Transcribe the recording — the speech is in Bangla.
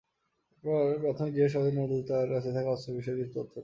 এরপর প্রাথমিক জিজ্ঞাসাবাদে নজরুল তাঁর কাছে থাকা অস্ত্রের বিষয়ে কিছু তথ্য দেয়।